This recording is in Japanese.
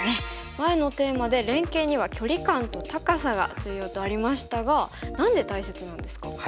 前のテーマで連携には距離感と高さが重要とありましたが何で大切なんですか？